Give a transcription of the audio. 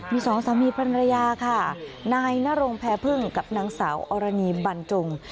มีสองสามีภรรยาค่ะนายนรงแพรพึ่งกับนางสาวอรณีบรรจง